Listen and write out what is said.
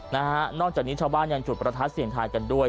นอกจากนี้ชาวบ้านยังจุดประทัดเสียงทายกันด้วย